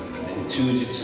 忠実に。